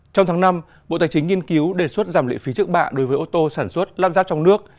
trong tháng năm bộ tài chính nghiên cứu đề xuất giảm lệ phí trước bạ đối với ô tô sản xuất lắp ráp trong nước